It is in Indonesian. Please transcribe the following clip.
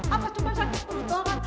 apa cuma sakit perut doangan